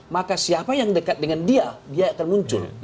maka siapa yang dekat dengan dia dia akan muncul